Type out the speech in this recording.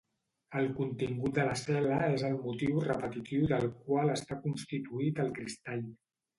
El contingut de la cel·la és el motiu repetitiu del qual està constituït el cristall.